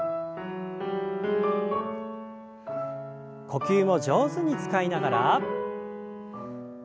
呼吸を上手に使いながら。